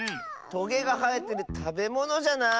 トゲがはえてるたべものじゃない？